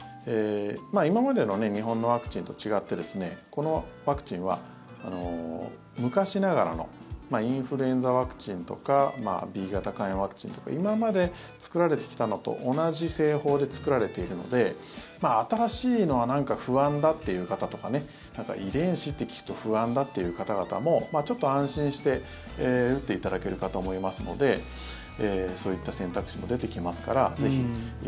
今までの日本のワクチンと違ってこのワクチンは、昔ながらのインフルエンザワクチンとかＢ型肝炎ワクチンとか今まで作られてきたのと同じ製法で作られているので新しいのはなんか不安だっていう方とか遺伝子って聞くと不安だっていう方々もちょっと安心して打っていただけるかと思いますのでそういった選択肢も出てきますから、ぜひ。